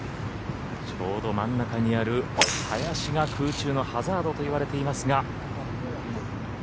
ちょうど真ん中にある林が空中のハザードといわれていますが。